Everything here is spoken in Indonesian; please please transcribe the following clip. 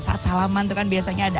saat salaman itu kan biasanya ada